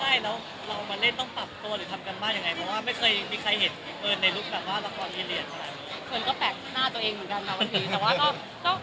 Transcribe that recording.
ใช่แล้วเรามาเล่นต้องปรับตัวหรือทำกันบ้างยังไง